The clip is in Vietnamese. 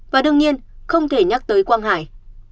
và đương nhiên không thể nhắc tới quang hải